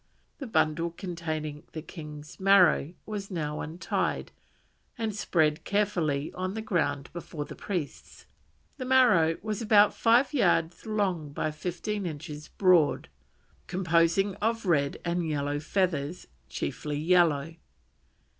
The bundle containing the king's Maro was now untied and spread carefully on the ground before the priests. The Maro was about five yards long by fifteen inches broad, composed of red and yellow feathers, chiefly yellow.